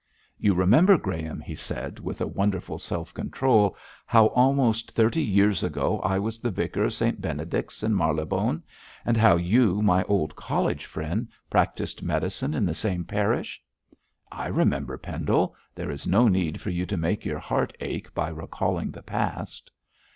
'You remember, Graham!' he said, with wonderful self control, 'how almost thirty years ago I was the Vicar of St Benedict's in Marylebone, and how you, my old college friend, practised medicine in the same parish.' 'I remember, Pendle; there is no need for you to make your heart ache by recalling the past.'